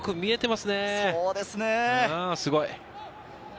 すごい。